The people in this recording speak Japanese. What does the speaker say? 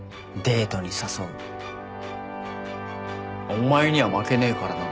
お前には負けねえからな。